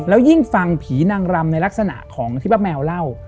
แล้วยิ่งฟังผีนางรำในลักษณะของที่ป้าแมวเล่า